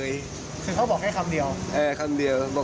คือเขาบอกมาเวลาแค่คำเดียว